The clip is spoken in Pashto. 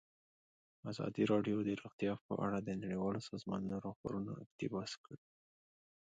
ازادي راډیو د روغتیا په اړه د نړیوالو سازمانونو راپورونه اقتباس کړي.